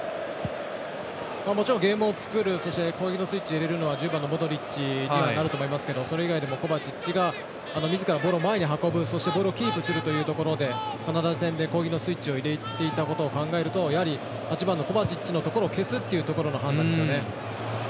もちろんゲームを作る攻撃のスイッチを入れるのは１０番のモドリッチにはなると思いますけどそれ以外でもコバチッチがみずからボールを前に運ぶそしてボールをキープするということでカナダ戦で攻撃のスイッチを入れていたことを考えるとやはり８番のコバチッチのところを消すという判断ですよね。